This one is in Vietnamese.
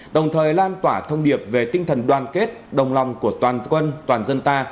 đồng thời lan tỏa thông điệp về tinh thần đoàn kết đồng lòng của toàn quân toàn dân ta